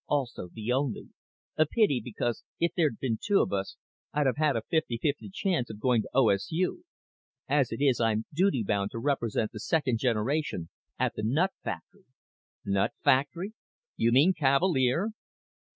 "Also the only. A pity, because if there'd been two of us I'd have had a fifty fifty chance of going to OSU. As it is, I'm duty bound to represent the second generation at the nut factory." "Nut factory? You mean Cavalier?"